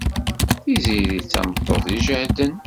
Tiziri d tameṭṭut ijehden.